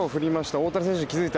大谷選手が気付いた。